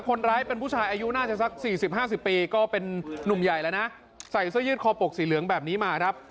คนร้ายเป็นผู้ชายอายุน่าจะสัก๔๐๕๐ปีก็เป็นนุ่มใหญ่แล้วนะใส่เสื้อยืดคอปกสีเหลืองแบบนี้มาครับ